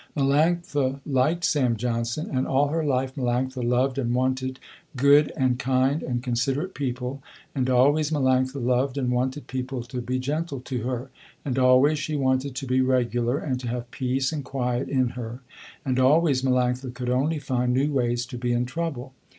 Melanctha liked Sam Johnson, and all her life Melanctha loved and wanted good and kind and considerate people, and always Melanctha loved and wanted people to be gentle to her, and always she wanted to be regular, and to have peace and quiet in her, and always Melanctha could only find new ways to be in trouble.